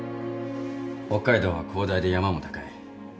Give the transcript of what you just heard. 北海道は広大で山も高い。